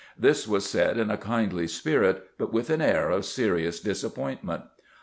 This was said in a kindly spirit, but with an air of serious disappointment.